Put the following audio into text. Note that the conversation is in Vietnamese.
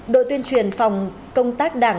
đội tuyên truyền phòng công tác đảng